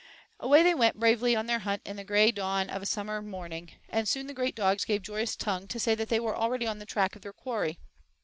Away they went bravely on their hunt in the gray dawn of a summer morning, and soon the great dogs gave joyous tongue to say that they were already on the track of their quarry.